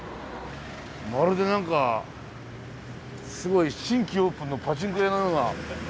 まるで何かすごい新規オープンのパチンコ屋のような。